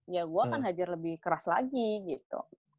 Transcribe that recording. ya gue akan hajar lebih keras lagi gitu